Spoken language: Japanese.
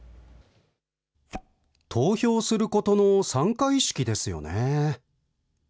投票することの参加意識ですよね。